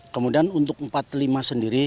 kemudian untuk empat puluh lima sendiri